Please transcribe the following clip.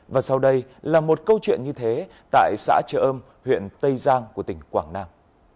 và sau đây là một câu chuyện như thế tại xã chợ âm huyện tây giang của tỉnh quảng nam